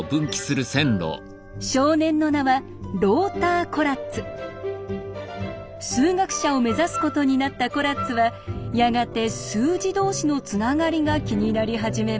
少年の名は数学者を目指すことになったコラッツはやがて数字同士のつながりが気になり始めます。